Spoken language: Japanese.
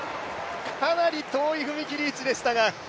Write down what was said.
かなり遠い踏切位置でしたが。